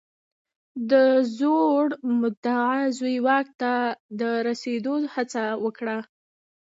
د زوړ مدعي زوی واک ته د رسېدو هڅه وکړه.